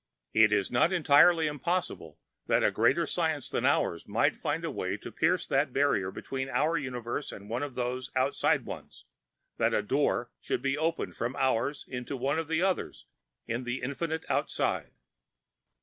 It is not entirely impossible that a greater science than ours might find a way to pierce that barrier between our universe and one of those outside ones, that a Door should be opened from ours into one of those others in the infinite outside."